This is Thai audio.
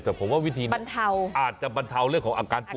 แต่ผมว่าวิธีนี้อาจจะบรรเทาเรื่องของอาการป่วย